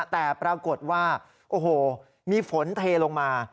แต่ปรากฏว่าโอ้โหมีฝนเทลงมา